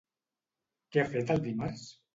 Què ha fet el dimarts?